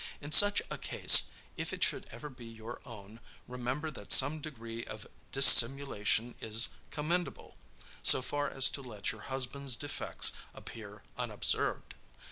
In such a case, if it should ever be your own, remember that some degree of dissimulation is commendable, so far as to let your husband's defects appear unobserved.